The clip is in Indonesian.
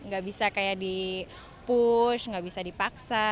gak bisa kayak di push gak bisa di paksa